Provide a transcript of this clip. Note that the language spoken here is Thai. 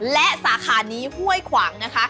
และสาขานี้ห้วยขวางนะคะ